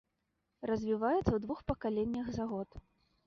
Развіваецца ў двух пакаленнях за год.